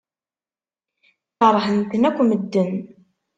Keṛhen-ten akk medden.